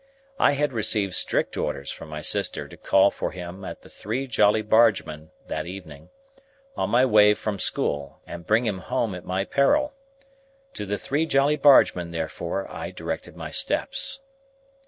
I had received strict orders from my sister to call for him at the Three Jolly Bargemen, that evening, on my way from school, and bring him home at my peril. To the Three Jolly Bargemen, therefore, I directed my steps.